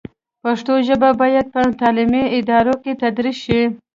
پښتو ژبه باید په تعلیمي ادارو کې تدریس شي.